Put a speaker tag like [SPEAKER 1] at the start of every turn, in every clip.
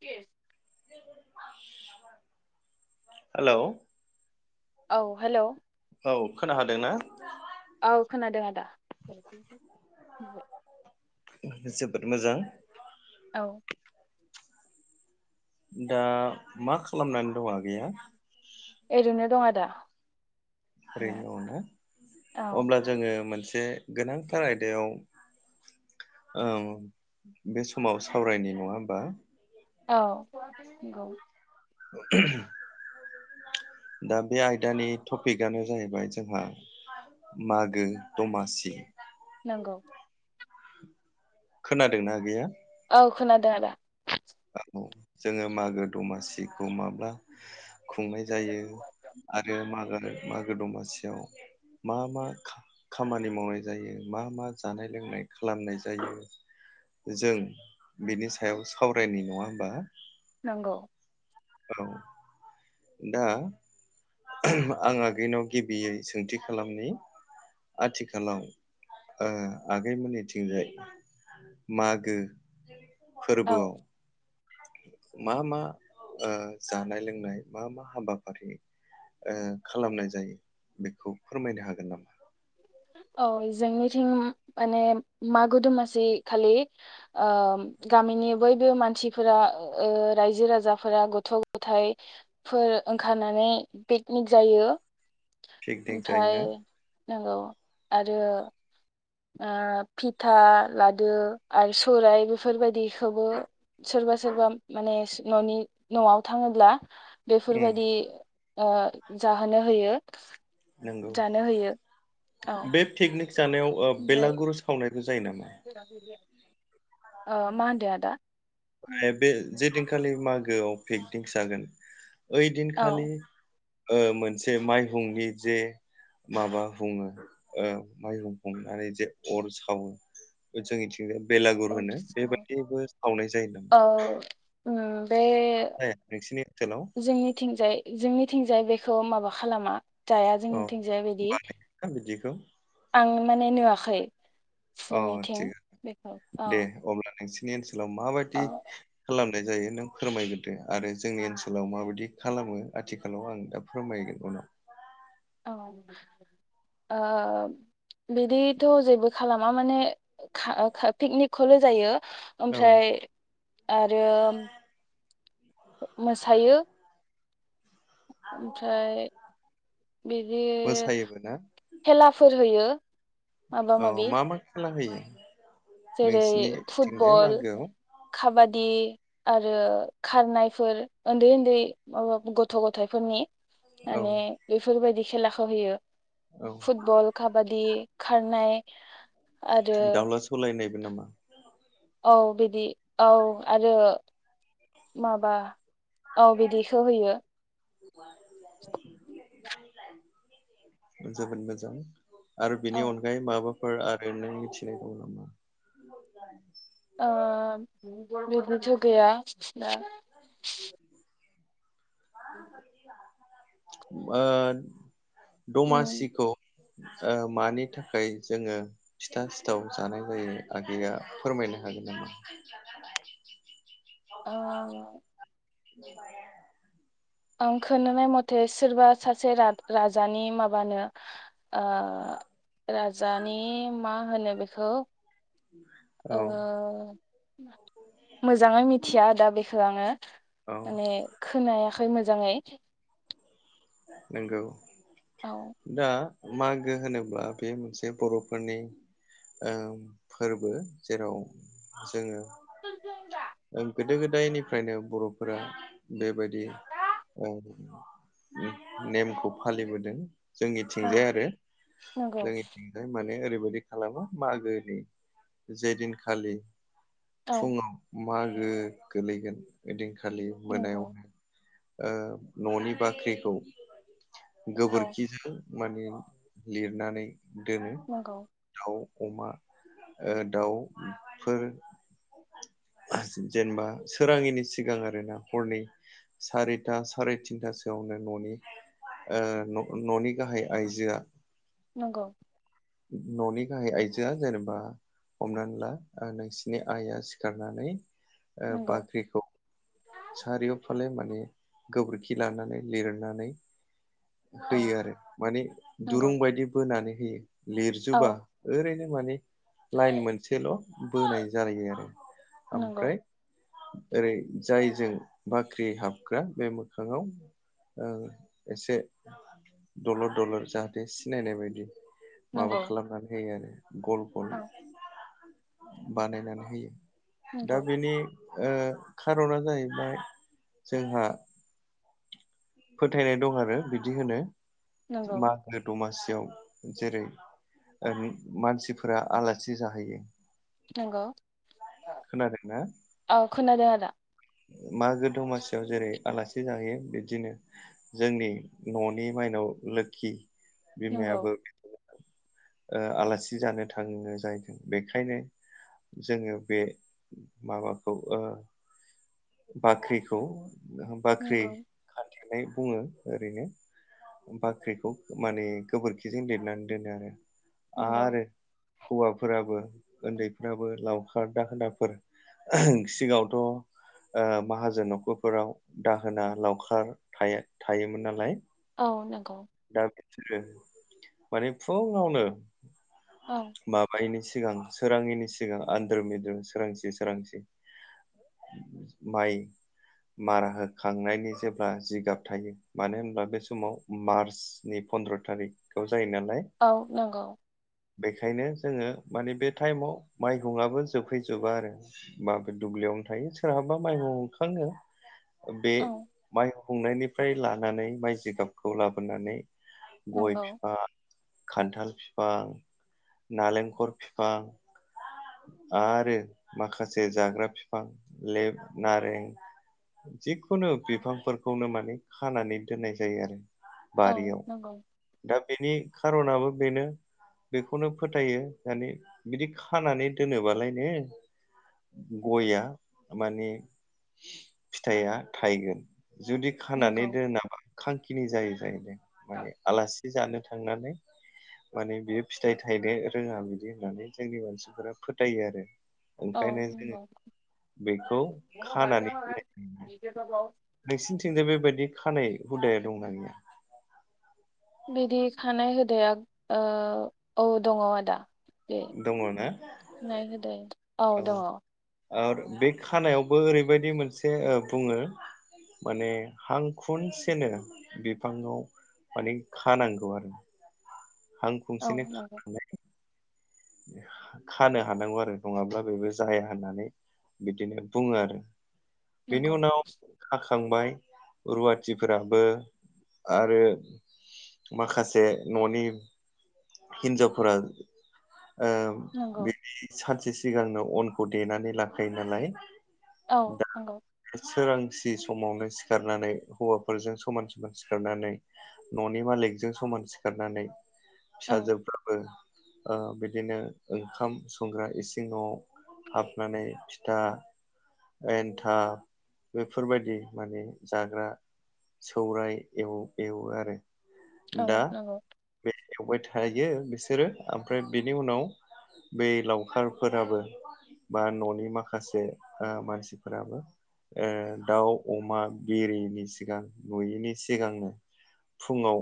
[SPEAKER 1] Case
[SPEAKER 2] hello
[SPEAKER 1] औ hello
[SPEAKER 2] औ खोना हादोंना
[SPEAKER 1] औ खोनादों आदा
[SPEAKER 2] जोबोद मोजां
[SPEAKER 1] औ
[SPEAKER 2] दा मा खालामनानै दं आगैया?
[SPEAKER 1] ओरैनो दं आदा
[SPEAKER 2] ओरैनो दं ना
[SPEAKER 1] औ
[SPEAKER 2] अब्ला जोङो मोनसे जे गोनांथार आयदायाव ओ बे समाव सावरायनि नङा होमबा
[SPEAKER 1] औ नंगौ
[SPEAKER 2] दा बे आयदानि टपिकआनो जाहैबाय जोंहा मागो दमासि
[SPEAKER 1] नोंगौ
[SPEAKER 2] खोनादोंना आगैया?
[SPEAKER 1] औ खोनादों आदा
[SPEAKER 2] औ जोङो मागो दमासिखौ माब्ला खुंनाय जायो आरो मागो मागो दमासियाव मा मा खामानि मावनाय जायो मा मा जानाय लोंनाय खालामनाय जायो जों बिनि सायाव साव रायनि नङा होमबा
[SPEAKER 1] नंगौ
[SPEAKER 2] औ दा आं आगैनाव गिबियै सोंथि खालामनि आथिखालाव ओ आगैमोननिथिंजाय मागो
[SPEAKER 1] औ
[SPEAKER 2] फोरबोआव मा मा ओ जानाय लोंनाय मा मा हाबाफारि ओ खालामनाय जायो बेखौ फोरमायनो हागोन नामा
[SPEAKER 1] औ जोंनिथिं माने मागो दमासि खालि ओ गामिनि बयबो मानसिफोरा ओ रायजो राजाफोरा गथ' गथायफोर ओंखारनानै पिकनिक जायो
[SPEAKER 2] पिकनिक
[SPEAKER 1] ओमफ्राय
[SPEAKER 2] जायोना
[SPEAKER 1] नंगौ आरो ओ फिथा लादो आरो सौराय बेफोरबायदिखौबो सोरबा सोरबा माने न'नि न'आव थांङोब्ला बेफोर
[SPEAKER 2] उम
[SPEAKER 1] बायदि ओ जाहोनो होयो
[SPEAKER 2] नंगौ
[SPEAKER 1] जानो होयो औ
[SPEAKER 2] बे पिकनिक जानायाव ओ
[SPEAKER 1] ओमफ्राय
[SPEAKER 2] बेलागुरु सावनाय
[SPEAKER 1] [unintelligible] ओ मा होनदो आदा?
[SPEAKER 2] जेदिनखालि मागोआव पिगनिक जागोन ओयदिन
[SPEAKER 1] औ
[SPEAKER 2] खालि ओ मोनसे माइहुंनि जे माबा बुंङो ओ माइहुं हुंनानै जे अर सावो बे जोंनिथिं यो बेलागुर होनो। बे बायदिबो सावनाय जायो नामा?
[SPEAKER 1] उम
[SPEAKER 2] नाथाय नोंसिनि ओनसोलाव
[SPEAKER 1] जोंनिंथिंजाय जोंनिथिंजाय बे खौ माबा खालामा जाया
[SPEAKER 2] अ
[SPEAKER 1] जोंनिथिंजाय बेदि
[SPEAKER 2] बानायोना बिदिखौ
[SPEAKER 1] आं माने नुवा खै
[SPEAKER 2] अ
[SPEAKER 1] जोंनिथिं
[SPEAKER 2] थिगानो
[SPEAKER 1] बेखौ औ
[SPEAKER 2] दे अब्ला नोंसिनि ओनसोल सोलाव
[SPEAKER 1] औ
[SPEAKER 2] माबायदि खालाम नाय जायो नों फोरमायगोरदो आरो जोंनि ओनसोलाव माबायदि खालामो आथिखालाव आं दा फोरमायगोन उनाव
[SPEAKER 1] औ ओ बिदिथ' जेबो खालामा माने खा-खा पिकनिक खोल' जायो।
[SPEAKER 2] उनाव औ
[SPEAKER 1] ओमफ्राय आरो मोसायो। ओमफ्राय बिदि
[SPEAKER 2] मोसायोबो ना
[SPEAKER 1] खेलाफोर होयो। माबा
[SPEAKER 2] औ
[SPEAKER 1] माबि
[SPEAKER 2] मा मा खेला होयो?
[SPEAKER 1] जेरै
[SPEAKER 2] नोंसिनिथिंजाय
[SPEAKER 1] फुटबल,
[SPEAKER 2] मागोआव
[SPEAKER 1] काबादि आरो खारनायफोर ओन्दै ओन्दै माबा गथ' गथाइ फोरनि
[SPEAKER 2] औ
[SPEAKER 1] माने बेफोरबायदि खेलाखो होयो।
[SPEAKER 2] औ
[SPEAKER 1] फुटबल, काबादि खारनाय आरो
[SPEAKER 2] दाउला सौलायनाय नामा
[SPEAKER 1] औ बिदि औ आरो माबा औ बिदिखो होयो। [inaudible]
[SPEAKER 2] जोबोद मोजां आरो बिनि
[SPEAKER 1] औ
[SPEAKER 2] अनगायै माबा फोर आरो नों मिथिनाय दं नामा?
[SPEAKER 1] ओ बिदिथ' गैया दा। [inaudible]
[SPEAKER 2] ओ
[SPEAKER 1] उम
[SPEAKER 2] दमासिखौ ओ मानि थाखाय जोङो फिथा सिथाव जानाय जायो आगैया फोरमायनो हागोन नामा?
[SPEAKER 1] ओ
[SPEAKER 2] [inaudible]
[SPEAKER 1] आं खोनानाय मथे सोरबा सासे रा-राजानि माबानो ओ राजानि मा होनो बेखौ
[SPEAKER 2] औ
[SPEAKER 1] ओ मोजाङै मि थिया दा बेखो आङो।
[SPEAKER 2] औ
[SPEAKER 1] माने खोनाया खै मोजाङै।
[SPEAKER 2] नोंगौ।
[SPEAKER 1] औ
[SPEAKER 2] दा मागो होनोब्ला बे मोनसे बर'फोरनि ओ फोर्बो जेराव जोङो गोदो गोदायनिफ्रायनो बर'फोरा बेबायदि ओ नेमखौ फालिबोदों।
[SPEAKER 1] औ
[SPEAKER 2] जोंनिथिंजाय आरो
[SPEAKER 1] नंगौ
[SPEAKER 2] जोंनिथिंजाय माने ओरै बेबादि खालामो मागोनि जे दिनखालि
[SPEAKER 1] औ
[SPEAKER 2] फुंआव मागो गोलैगोन बिदिन खालि मोनायाव
[SPEAKER 1] नंगौ
[SPEAKER 2] ओ ननि बाख्रिखौ
[SPEAKER 1] औ
[SPEAKER 2] गोबोरखिजो माने लिरनानै दोनो।
[SPEAKER 1] नंगौ
[SPEAKER 2] दाव अमा ओ दाउफोर जेन जेनोबा सोराङिनि सिगां आरोना हरनै सारिथा साराय तिनथासोयावनो न'नि ओ न' न'नि गाहाय आइजोया
[SPEAKER 1] नंगौ।
[SPEAKER 2] न'नि गाहाय आइजोया जेनोबा हमनानै ला नोंसिनि आइआ सिखारनानै ओ
[SPEAKER 1] नंगौ
[SPEAKER 2] बाख्रिखौ सारियाव फाले माने गोबोरखि लानानै लिरनानै
[SPEAKER 1] औ
[SPEAKER 2] होयो आरो माने
[SPEAKER 1] नंगौ
[SPEAKER 2] दुरुं बायदि बोनानै होयो।
[SPEAKER 1] औ
[SPEAKER 2] लिरजोबा ओरैनो माने लाइन मोनसेल' बोनाय जालायो आरो
[SPEAKER 1] नंगौ
[SPEAKER 2] ओमफ्राय ओरै जायजों बाख्रि हाबग्रा बे मोखाङाव ओ एसे दलर दलद जाहाथे सिनायनाय बायदि माबा
[SPEAKER 1] नंगौ
[SPEAKER 2] खालामनानै होयो आरो गल गल
[SPEAKER 1] औ
[SPEAKER 2] बानायनानै होयो। दा
[SPEAKER 1] नंगौ
[SPEAKER 2] बेनि ओ खार'ना जाहैबाय जोंहा फोथायनाय दं आरो बिदि होनो
[SPEAKER 1] नंगौ
[SPEAKER 2] मागों दमा सियाव जेरै ओ मानसिफोरा आलासि जाहैयो
[SPEAKER 1] नंगौ।
[SPEAKER 2] खोनादोंना
[SPEAKER 1] औ खोनादों आदा।
[SPEAKER 2] मागो दमासियाव जेरै आलासि जाहैयो बिबदिनो जोंनि न'नि माइनाव लोखि
[SPEAKER 1] नंगौ
[SPEAKER 2] बिमायाबो [unintelligible] ओ आलासि जानो थाङो जाहैदों बेखायनो जोङो बे माबाखौ ओ बाख्रिखौ ओ होम बाख्रि
[SPEAKER 1] नंगौ
[SPEAKER 2] थेनाय बुङो ओरैनो बाख्रिखौ माने गोबोरखिजों लिरनानै दोनो आरो
[SPEAKER 1] नंगौ
[SPEAKER 2] आरो हौवाफोराबो उन्दैफ्राबो लावखार दाहोना फोर सिगाङावथ' ओ माहाजोन न'खरफोराव दाहोना लावखार थायो थायोमोन नालाय।
[SPEAKER 1] औ नों
[SPEAKER 2] दा [unintelligible] माने फुङावनो
[SPEAKER 1] औ
[SPEAKER 2] माबायैनि सि सिगां सोराङिनि सिगां आन्द्र मिद्रु सोरांसि सोरांसि माइ मारा होखांनायनि जेब्ला जिगाब थायो मानो होनब्ला बे समाव मार्च सिनि पन्द्र' थारिख ओ
[SPEAKER 1] औ नंगौ
[SPEAKER 2] बेखायनो जोङो माने बे टाइमाव माइहुंआबो जोबहैजोबा आरो माइबो दुब्लियावनो थायो सोरहाबा माइहं हुंखाङो बे
[SPEAKER 1] औ
[SPEAKER 2] माइ हुंनायनिफ्राय लानानै माइ जिगाबखौ लाबो फानानै गय'
[SPEAKER 1] नंगौ
[SPEAKER 2] फिफां खान्थाल फिफां नालेंखर फिफां आरो माखासे जाग्रा फिफां लेब' नारें जिखुनु बिफांफोरखौनो माने खानानै दोननाय जायो आरो
[SPEAKER 1] औ
[SPEAKER 2] बारियाव
[SPEAKER 1] नंगौ
[SPEAKER 2] दा बेनि खारनाबो बेनो बेखौनो फोथायो माने बिदि खानानै दोनोबालायनो गय'आ माने फिथाइया थाइगोन जुदि खानानै
[SPEAKER 1] नंगौ
[SPEAKER 2] दोनाबा खांखि नि जायो जायो माने आलास बि जानो थांनानै माने बियो फिथाइ थायनो रोङा बिदि होननानै जोंनि मानसिफोरा फोथायो आरो
[SPEAKER 1] औ
[SPEAKER 2] ओंखायनो जोङो
[SPEAKER 1] नंगौ
[SPEAKER 2] बेखौ खानानै होनाय नोंसिनिथिंजाय बेबायदि खानाय हुदाया दंना गया?
[SPEAKER 1] बिदि खानाय हुदाया ओ औ दङ आदा। दे
[SPEAKER 2] दङ ना
[SPEAKER 1] नाय होदाय औ दङ।
[SPEAKER 2] ओर बे खानायावबो ओरैबायदि मोनसे बुङो माने हां खनसेनो बिफाङाव माने खानांगौ आरो हां
[SPEAKER 1] औ
[SPEAKER 2] खंसेनो
[SPEAKER 1] नंगौ
[SPEAKER 2] खाखानाय खानो हानांगौ आरो नङाब्ला बेबो जाया होननानै बिदिनो बुङो आरो बेनि
[SPEAKER 1] नंगौ
[SPEAKER 2] उनाव थांबाय रुवाथिफोराबो आरो माखासे ननि हिनजावफोरा औ
[SPEAKER 1] नंगौ
[SPEAKER 2] बे सानसे सि सिगांनो अनखौ देनानै लाखायो नालाय
[SPEAKER 1] औ नंगौ
[SPEAKER 2] सि समावनो सिखारनानै हौवाफोरजों समान समान सिखारनानै ननि मालिकजों समान सिखारनानै
[SPEAKER 1] औ
[SPEAKER 2] फिसाजोफ्राबो औ बिद दिनो ओंखाम संग्रा इसिङाव हाबनानै फिथा एन्थाब बेफोरबायदि माने जाग्रा सौराय एव एवो आरो
[SPEAKER 1] औ
[SPEAKER 2] दा
[SPEAKER 1] नंगौ।
[SPEAKER 2] बे एवबाय थायो बिसोरो ओमफ्राय बेनि उनाव बै लावखारफोराबो बा ननि माखासे ओ मानसिफोराबो ओ दाउ अमा बिरिनि सिगां नुयैनि सिगांनो फुङाव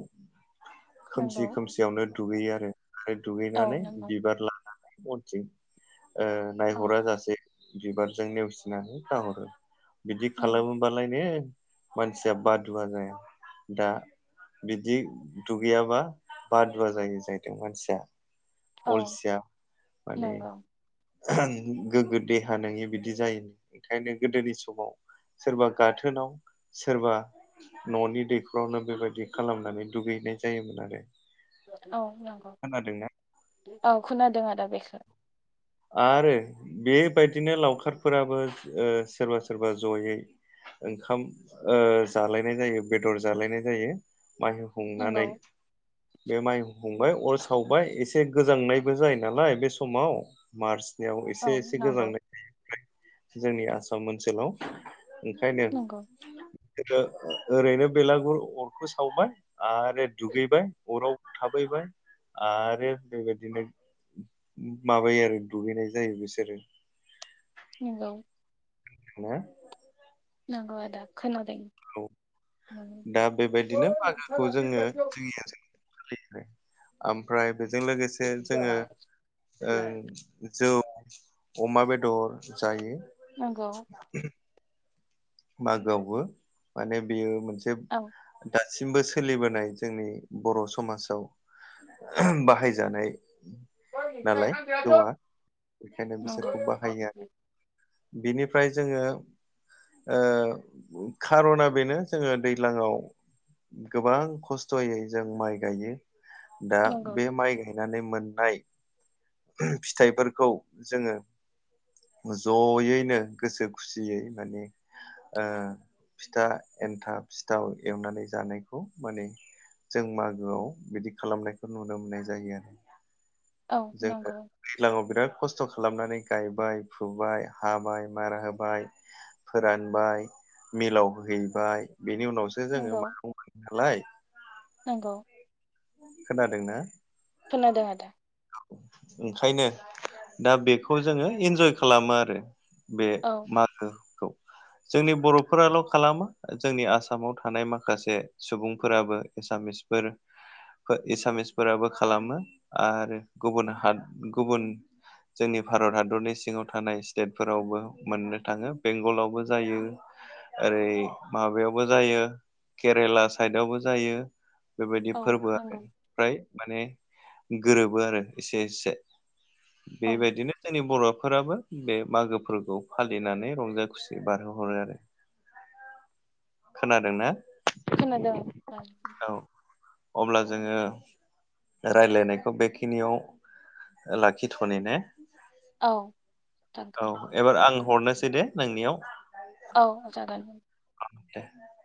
[SPEAKER 2] खोमसि
[SPEAKER 1] नंगौ
[SPEAKER 2] खोमसियावनो दुगै आरो फाय दुगै
[SPEAKER 1] औ
[SPEAKER 2] गायनानै
[SPEAKER 1] नंगौ
[SPEAKER 2] बिबार लानानै मनथिं ओ
[SPEAKER 1] औ
[SPEAKER 2] नायहरा जासे बिबारजों नेवसिनानै गाहरो बिदि
[SPEAKER 1] नंगौ
[SPEAKER 2] खालामोबालाय नो मानसिया बादुवा जाया दा बिदि दुगैयाबा बादुवा जायो जाहैदों मानसिया
[SPEAKER 1] औ
[SPEAKER 2] अलसिया माने
[SPEAKER 1] नंगौ
[SPEAKER 2] गोगो देहा नङि बिदि जायोन ओंखायनो गोदोनि समाव सोरबा गाथोनाव सोरबा ननि दैखरावनो बेबायाददि खालामनानै दुगैैनाय जायोमोन आरो
[SPEAKER 1] औ नोंगौ
[SPEAKER 2] खोनादोंना
[SPEAKER 1] औ खोनादों आदा बेखो।
[SPEAKER 2] आरो बेबायदिनो लावखारफोराबो ओ सोरबा सोरबा जयै ओंखाम ओ जालायनाय जायो बेदर जालायनाय जायो। माइहु
[SPEAKER 1] नंगौ
[SPEAKER 2] हुंनानै बे माइफुंबाय अर सावबाय एसे गोजांनायबो जायो नालाय बे समाव। मार्च बियाव
[SPEAKER 1] औ
[SPEAKER 2] एसे एसे
[SPEAKER 1] नंगौ
[SPEAKER 2] गोजांनाय थायो। जोंनि आसाम ओनसोलाव ओंखायनो
[SPEAKER 1] नंगौ
[SPEAKER 2] ओरैनो बेलागुर अरखौ सावबाय आरो दुगैबाय अराव थाबैबाय आरो बेबायदिनो माबायो आरो। दुगैनाय जायो बिसोरो
[SPEAKER 1] नंगौ
[SPEAKER 2] हेल'
[SPEAKER 1] नग आ दा खोन
[SPEAKER 2] हेल' दा बेबादिनो मागोखौ जोङो क्रियाजों सोलियो ओमफ्राय बेजों लोगोसे जोङो ओग जौ। अमा बेदर जायो। ओहम। मागोआवबो माने बेयो जोब दा। दासिमबो सोलिबोनाय जोंनि बर' समाजाव बाहायजानाय नालाय दङ बेखायनो बिसोरखौ बाहायो आरो। बिनिफ्राय जोङो ओ खार'ना बेनो जोङो दैज्लांआव गोबां खस्थ'यै जों माइ गायो। बा
[SPEAKER 1] नंगौ
[SPEAKER 2] बे माइ गाय माने मोननाय फिथाइफोरखौ जोङो जयैनो गोसो खुसियै माने ओहो फिथा एन्थाब, सिथाव एवनानै जानायखौ माने जों मागोआव बिदि खालामनायखौ नुनो मोननाय जायो आरो।
[SPEAKER 1] औ नंगौ औ
[SPEAKER 2] जोङो
[SPEAKER 1] नंगौ
[SPEAKER 2] दैलाङाव बिराद खस्थ' खालामनानै गायबाय फुबाय हाबाय मारा होबाय फोरानबाय मिलाव हैहैबाय बेनि उनावसो जोङो
[SPEAKER 1] नंगौ
[SPEAKER 2] माइरंनो लाय
[SPEAKER 1] नंगौ।
[SPEAKER 2] खोनादोंना?
[SPEAKER 1] खोनादों आदा ‌।
[SPEAKER 2] ओंखायनो दा बेखौ जोङो इन्जय खालामो आरो। बे
[SPEAKER 1] औ
[SPEAKER 2] मागो जोंनि बर'फोराल' खालामा जोंनि आसामाव थानाय माखासे सुबुंफोराबो एसामिसफोर एसामिसफोराबो खालामो आरो गुबुन ह गुबुन जोंनि भारत हादरनि सिङाव थानाय स्टेटफोरावबो मोननो थाङो बेंगलावबो जायो ओरै माबायावबो जायो केरेला साइडआवबो जायो। बेबायदि
[SPEAKER 1] औ
[SPEAKER 2] फोरबोआ
[SPEAKER 1] नंगौ
[SPEAKER 2] ओमफ्राय माने गोरोबो आरो एसे एसे।
[SPEAKER 1] औ
[SPEAKER 2] बेबायदिनो जोंनि बर' फोराबो बे मागो फोरफोरखौ फालिनानै रंजा खुसि बारहोहरो आरो। खोनादों ना?
[SPEAKER 1] खोनादों।
[SPEAKER 2] अब्ला जोङो राय्लायनायखौ बेखिनियाव लाखिथ'नो ने?
[SPEAKER 1] औ।
[SPEAKER 2] औ एबार आं हरनोसै दे नोंनियाव
[SPEAKER 1] औ जागोन।
[SPEAKER 2] [inaudible]